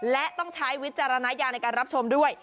และต้องใช้วิจารณญาณในการรับชมด้วย